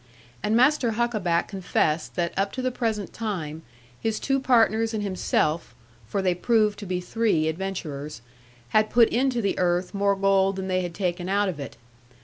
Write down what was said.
And Master Huckaback confessed that up to the present time his two partners and himself (for they proved to be three adventurers) had put into the earth more gold than they had taken out of it.